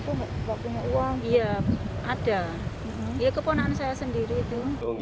keponaan saya sendiri itu